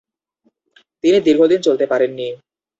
তিনি দীর্ঘদিন চালাতে পারেননি।